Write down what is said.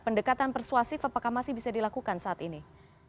pendekatan persuasif apakah masih bisa dilakukan saat ini